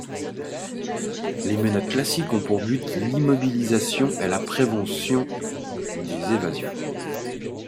Les menottes classiques ont pour but l’immobilisation et la prévention des évasions.